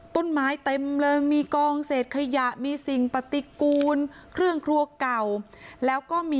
ต้นไม้เต็มเลยมีกองเสธขยะมีสิ่งปฏิกุญเครื่องครัวเก่า